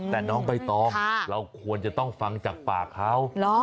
แต่น้องใบตองเราควรจะต้องฟังจากปากเขา